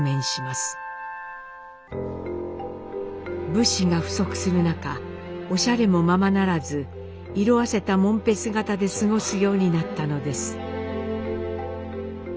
物資が不足する中おしゃれもままならず色あせたもんぺ姿で過ごすようになったのです。